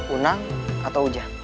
unang atau ujang